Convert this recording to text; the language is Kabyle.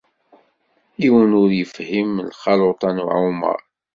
Yiwen ur yefhim lxaluṭa n ɛumaṛ.